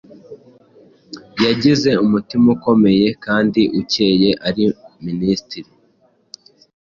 yagize umutima ukomeye kandi ukeye ari Minisitiri